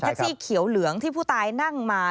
ซี่เขียวเหลืองที่ผู้ตายนั่งมา